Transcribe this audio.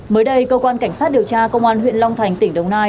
mới đây cơ quan cảnh sát điều tra công an huyện long thành tỉnh đồng nai